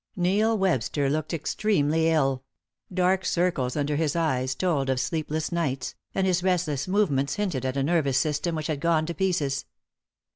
Neil Webster looked extremely ill; dark circles under his eyes told of sleepless nights, and his restless movements hinted at a nervous system which had gone to pieces.